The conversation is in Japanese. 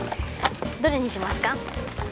どれにしますか？